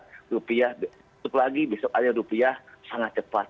tutup lagi besok ada rupiah sangat cepat